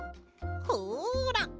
ほら。